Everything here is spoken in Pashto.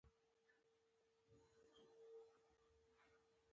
احمد ګردسره جهان په سترګو نه وي.